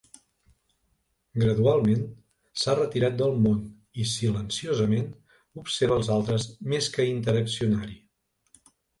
Gradualment, s'ha retirat del món i, silenciosament, observa els altres més que interaccionar-hi.